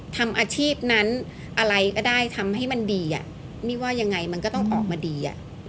ทำอาชีพนั้นอะไรก็ได้ทำให้มันดีอ่ะมี่ว่ายังไงมันก็ต้องออกมาดี